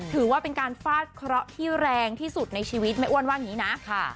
ถือว่าเป็นการฟาดเคราะห์ที่แรงที่สุดในชีวิตแม่อ้วนว่าอย่างนี้นะ